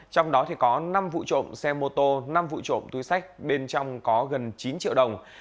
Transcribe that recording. trong đó có năm vụ trộm xe mô tô năm vụ trộm túi sách bên trong có gần chín triệu đồng